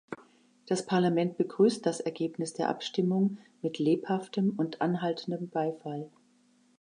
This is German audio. Das Parlament begrüßt das Ergebnis der Abstimmung mit lebhaftem und anhaltendem Beifall.